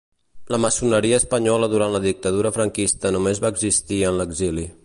La maçoneria espanyola durant la dictadura franquista només va existir en l'exili.